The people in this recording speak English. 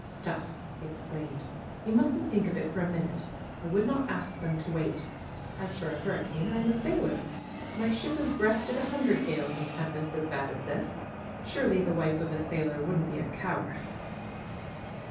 ^^Stuff!" he exclaimed. ^^You mustn't think of it for a minute. I would not ask them to wait. As for a hurricane! I'm a sailor. My ship has breasted a hundred gales and tempests as bad as this. Surely the wife of a sailor wouldn't be a coward